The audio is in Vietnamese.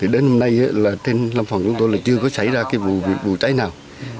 đến hôm nay trên lâm phòng chúng tôi chưa có xảy ra vụ cháy nào